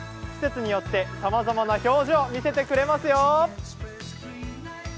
季節によってさまざまな表情を見せてくれますよ。